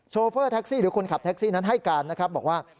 โฟเฟอร์แท็กซี่หรือคนขับแท็กซี่นั้นให้การนะครับบอกว่า